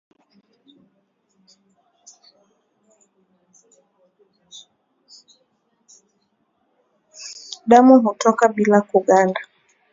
damu hutoka bila kuganda